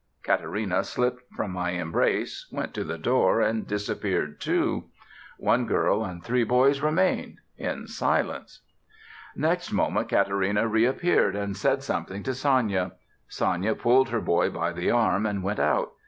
Katarina slipped from my embrace, went to the door, and disappeared too. One girl and three boys remained in silence. Next moment Katarina reappeared, and said something to Sanya. Sanya pulled her boy by the arm, and went out.